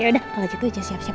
ya udah kalau gitu udah siap siap